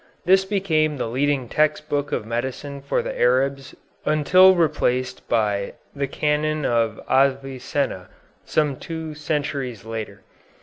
This became the leading text book of medicine for the Arabs until replaced by the "Canon of Avicenna" some two centuries later.